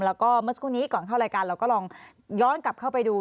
แล้วก็เมื่อสักครู่นี้ก่อนเข้ารายการเราก็ลองย้อนกลับเข้าไปดู